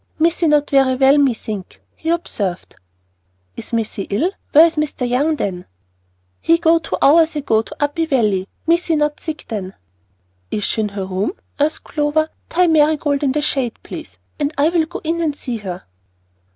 "Missee not velly well, me thinkee," he observed. "Is Missy ill? Where is Mr. Young, then?" "He go two hours ago to Uppey Valley. Missee not sick then." "Is she in her room?" asked Clover. "Tie Marigold in the shade, please, and I will go in and see her."